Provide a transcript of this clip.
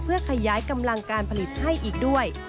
เพื่อขยายกำลังการผลิตให้อีกด้วย